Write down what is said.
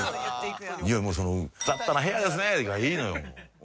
いやもうその「雑多な部屋ですね！」がいいのよ。